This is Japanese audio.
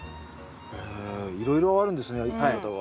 へえいろいろあるんですねやり方が。